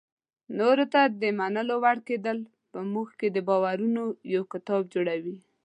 نورو ته د منلو وړ کېدل په موږ کې د باورونو یو کتاب جوړوي.